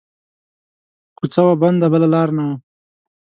کو څه وه بنده بله لار نه وه